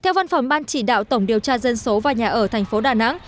theo văn phòng ban chỉ đạo tổng điều tra dân số và nhà ở tp đà nẵng